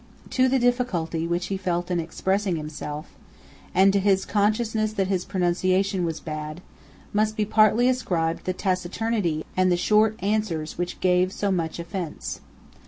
To the difficulty which he felt in expressing himself, and to his consciousness that his pronunciation was bad, must be partly ascribed the taciturnity and the short answers which gave so much offence.